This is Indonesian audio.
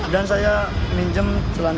dan saya minjem selana setiap hari